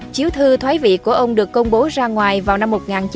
chiếu thư thoái vị của ông được công bố ra ngoài vào năm một nghìn chín trăm bảy mươi